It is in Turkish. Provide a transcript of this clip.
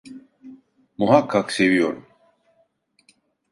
Muhakkak seviyorum.